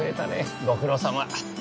ご苦労さま。